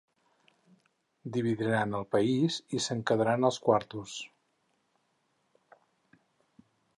Dividiran el país i se'n quedaran els quartos.